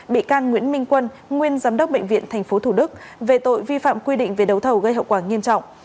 bị can nguyễn minh quân nguyên giám đốc bệnh viện tp thủ đức về tội vi phạm quy định về đấu thầu gây hậu quả nghiêm trọng